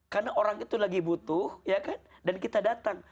karena orang itu lagi butuh ya kan dan kita datang